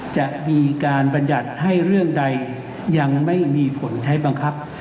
จะมีการบรรยัติให้เรื่องใดยังไม่มีผลใช้บังคับ